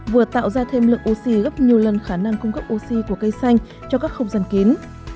vừa tạo ra thêm lượng oxy gấp nhiều lần khả năng cung cấp oxy của cây xanh cho các không gian kín